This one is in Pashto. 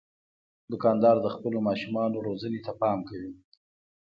دوکاندار د خپلو ماشومانو روزنې ته پام کوي.